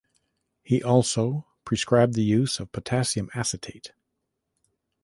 He also prescribed the use of potassium acetate.